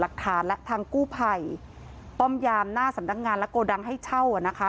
หลักฐานและทางกู้ภัยป้อมยามหน้าสำนักงานและโกดังให้เช่าอ่ะนะคะ